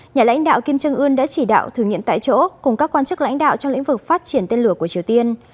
nhà lãnh đạo kim trương ươn đã chỉ đạo thử nghiệm tại chỗ cùng các quan chức lãnh đạo trong lĩnh vực phát triển tên lửa của triều tiên